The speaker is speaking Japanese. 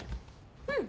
うん。